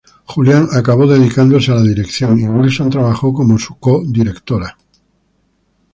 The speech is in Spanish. Julian acabó dedicándose a la dirección, y Wilson trabajó como su co-directora.